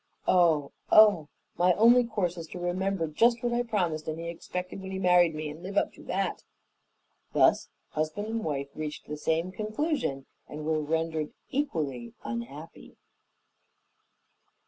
Oh, oh! My only course is to remember just what I promised and he expected when he married me, and live up to that." Thus husband and wife reached the same, conclusion and were rendered equally unhappy.